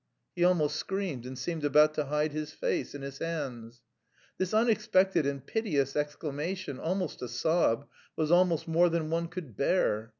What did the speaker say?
He almost screamed, and seemed about to hide his face in his hands. This unexpected and piteous exclamation, almost a sob, was almost more than one could bear.